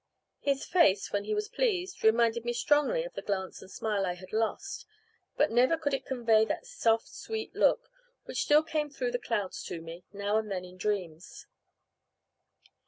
His face, when he was pleased, reminded me strongly of the glance and smile I had lost, but never could it convey that soft sweet look, which still came through the clouds to me, now and then in dreams.